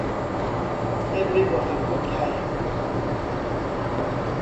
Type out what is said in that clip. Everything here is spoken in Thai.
ในบริบทสังคมไทย